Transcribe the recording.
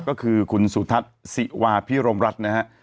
ก็คือคุณสุทัศน์ศิวาพิรมรัฐนะฮะ